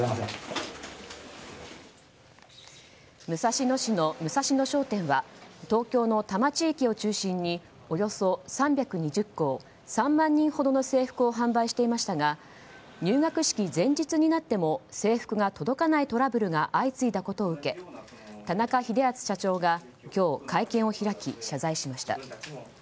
武蔵野市のムサシノ商店は東京の多摩地域を中心におよそ３２０校３万人ほどの制服を販売していましたが入学式前日になっても制服が届かないトラブルが相次いだことを受け田中秀篤社長が今日、会見を開き謝罪しました。